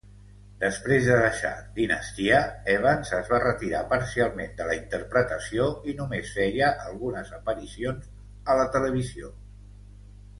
Desprès de deixar "Dinastia", Evans es va retirar parcialment de la interpretació i només feia algunes aparicions a la televisió.